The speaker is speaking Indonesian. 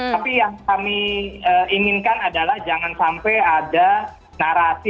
tapi yang kami inginkan adalah jangan sampai ada narasi